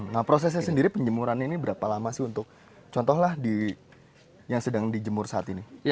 nah prosesnya sendiri penjemuran ini berapa lama sih untuk contohlah yang sedang dijemur saat ini